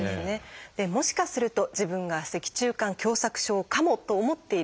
もしかすると自分が脊柱管狭窄症かもと思っている方。